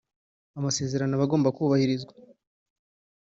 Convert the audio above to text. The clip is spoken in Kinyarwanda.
amasezerano aba agomba kubahirizwa